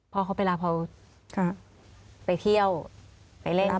พ่อเขาไปรับเขาไปเที่ยวไปเล่น